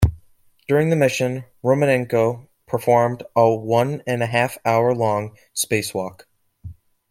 During the mission, Romanenko performed a one and a half hour long space walk.